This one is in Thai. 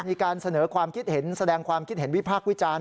มีการเสนอความคิดเห็นแสดงความคิดเห็นวิพากษ์วิจารณ์